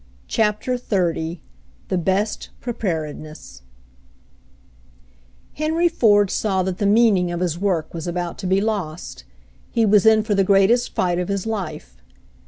CHAPTER XXX THE BEST PREPAREDNESS Henry Ford saw that the meaning of his work was about to be lost. He was in for the greatest fight of his life.